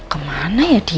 kemana ya dia